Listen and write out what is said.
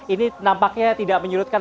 ini nampaknya tidak menyurutkan